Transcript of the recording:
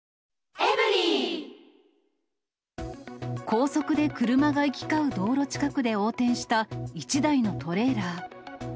高速で車が行き交う道路近くで横転した１台のトレーラー。